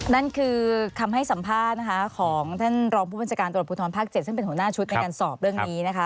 นั่นคือคำให้สัมภาษณ์นะคะของท่านรองผู้บัญชาการตำรวจภูทรภาค๗ซึ่งเป็นหัวหน้าชุดในการสอบเรื่องนี้นะคะ